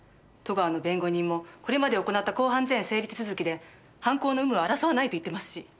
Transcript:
戸川の弁護人もこれまで行った公判前整理手続きで犯行の有無は争わないと言っていますし。